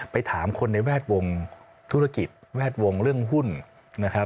ถามคนในแวดวงธุรกิจแวดวงเรื่องหุ้นนะครับ